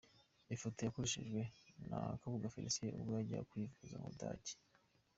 Ifoto yakoreshejwe na Kabuga Felicien ubwo yajyaga kwivuza mu Budage